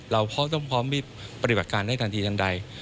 เราพอต้องพร้อมมีปฏิบัติการได้ทันทีทั้งใด